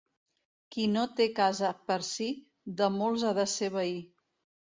Qui no té casa per si, de molts ha de ser veí.